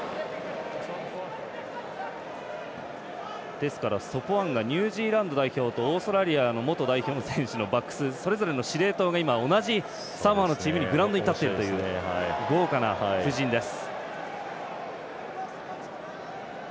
ですから、ソポアンガニュージーランド代表とオーストラリアの元代表の選手のバックスそれぞれの司令塔がサモアのチームのグラウンドに立っているという豪華な布陣です。